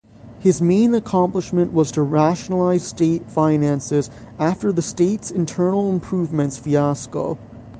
His main accomplishment was to rationalize state finances after the state's internal improvements fiasco.